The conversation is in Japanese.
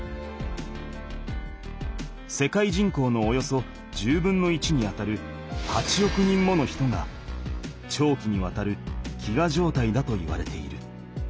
世界人口のおよそ１０分の１にあたる８億人もの人が長期にわたる飢餓状態だといわれている。